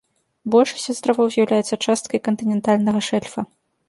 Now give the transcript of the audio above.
Большасць астравоў з'яўляюцца часткай кантынентальнага шэльфа.